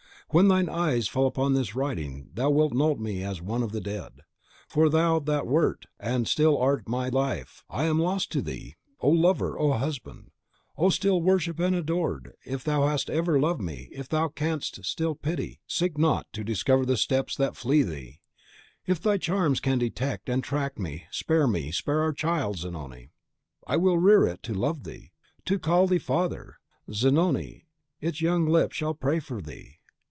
When thine eyes fall upon this writing thou wilt know me as one of the dead. For thou that wert, and still art my life, I am lost to thee! O lover! O husband! O still worshipped and adored! if thou hast ever loved me, if thou canst still pity, seek not to discover the steps that fly thee. If thy charms can detect and tract me, spare me, spare our child! Zanoni, I will rear it to love thee, to call thee father! Zanoni, its young lips shall pray for thee!